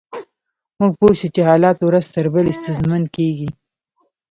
موږ پوه شوو چې حالات ورځ تر بلې ستونزمن کیږي